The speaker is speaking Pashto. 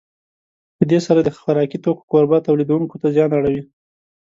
په دې سره د خوراکي توکو کوربه تولیدوونکو ته زیان اړوي.